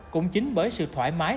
cũng chính bởi sự thoải mái